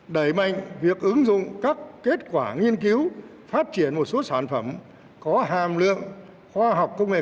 đẩy mạnh việc ứng dụng các kết quả nghiên cứu phát triển một số sản phẩm có hàm lượng khoa học công nghệ